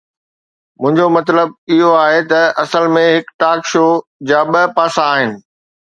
منهنجو مطلب اهو هو ته اصل ۾ هڪ ٽاڪ شو جا ٻه پاسا آهن.